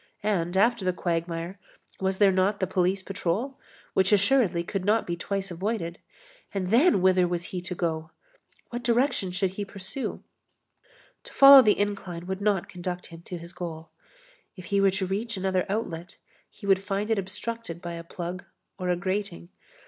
And after the quagmire, was there not the police patrol, which assuredly could not be twice avoided? And then, whither was he to go? What direction should he pursue? To follow the incline would not conduct him to his goal. If he were to reach another outlet, he would find it obstructed by a plug or a grating.